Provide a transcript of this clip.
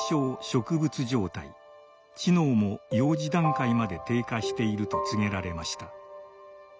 知能も幼児段階まで低下している」と告げられました。